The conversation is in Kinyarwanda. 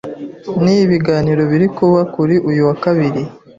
Ni ibiganiro biri kuba kuri uyu wa Kabiri